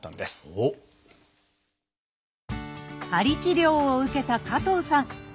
鍼治療を受けた加藤さん。